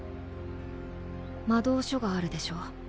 魔導書があるでしょ。